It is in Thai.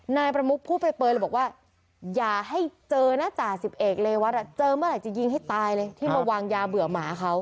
นายประมุกพูดเปลยเลยบอกว่าอย่าให้เจอนะจ่าสิบเอกเรวัตเจอเมื่อไหร่จะยิงให้ตายเลยที่มาวางยาเบื่อหมาเขา